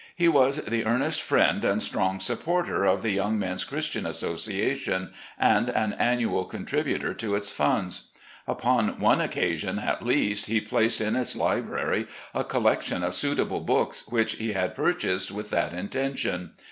He was the earnest friend and strong supporter of the Young Men's Christian Association, and an annual contributor to its funds. Upon one occasion, at least, he placed in its library a collection of suitable books, which he had purchased with that intention.